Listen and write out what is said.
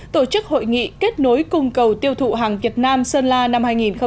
tổ chức hội nghị kết nối cùng cầu tiêu thụ hàng việt nam sơn la năm hai nghìn một mươi tám